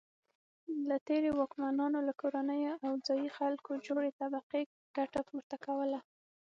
له تېرو واکمنانو له کورنیو او ځايي خلکو جوړې طبقې ګټه پورته کوله.